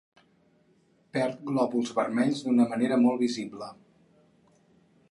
Perd glòbuls vermells d'una manera molt visible.